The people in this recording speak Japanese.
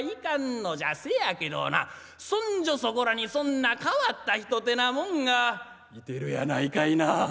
せやけどなそんじょそこらにそんな変わった人てなもんがいてるやないかいな。